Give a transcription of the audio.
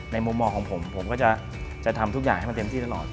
มุมมองของผมผมก็จะทำทุกอย่างให้มันเต็มที่ตลอด